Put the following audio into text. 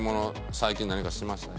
最近何かしました？